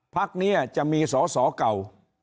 ภักดิ์เนี่ยจะมีสอสอเก่า